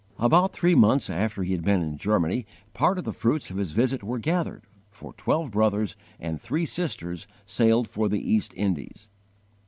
About three months after he had been in Germany part of the fruits of his visit were gathered, for twelve brothers and three sisters sailed for the East Indies.